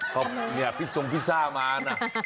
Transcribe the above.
เพราะนี่พริกทรงพิซซ่ามานะ